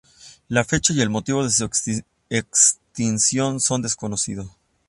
La fecha y el motivo de su extinción son desconocidos.